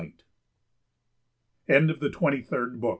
THE END OF THE TWENTY THIRD BO